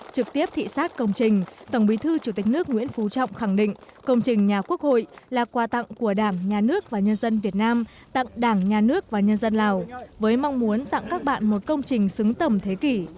trực tiếp thị xác công trình tổng bí thư chủ tịch nước nguyễn phú trọng khẳng định công trình nhà quốc hội là quà tặng của đảng nhà nước và nhân dân việt nam tặng đảng nhà nước và nhân dân lào với mong muốn tặng các bạn một công trình xứng tầm thế kỷ